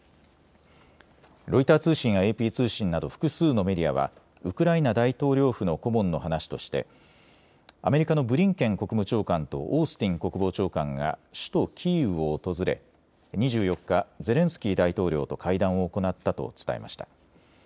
ロイター通信やＡＰ通信など複数のメディアはウクライナ大統領府の顧問の話としてアメリカのブリンケン国務長官とオースティン国防長官が首都キーウを訪れ２４日、ゼレンスキー大統領と会談を行ったと伝えました。